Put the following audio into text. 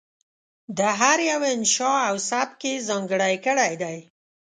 د هر یوه انشأ او سبک یې ځانګړی کړی دی.